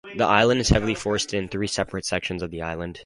The island is heavily forested in three separate sections of the island.